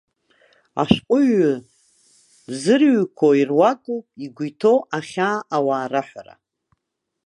Ашәҟәыҩҩы дзырҩқәо ируакуп игәы иҭоу ахьаа ауаа раҳәара.